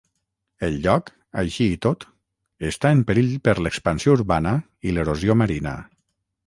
El lloc, així i tot, està en perill per l'expansió urbana i l'erosió marina.